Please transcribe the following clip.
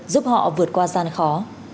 giúp họ vượt qua gian khó